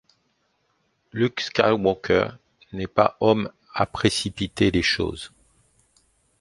Luke Skywalker n'est pas homme à précipiter les choses.